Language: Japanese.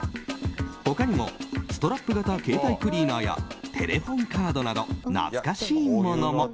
他にもストラップ型携帯クリーナーやテレホンカードなど懐かしいものも。